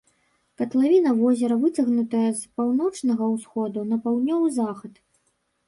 Катлавіна возера выцягнутая з паўночнага ўсходу на паўднёвы захад.